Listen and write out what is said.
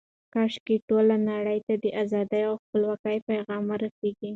کاشکې ټولې نړۍ ته د ازادۍ او خپلواکۍ پیغام ورسیږي.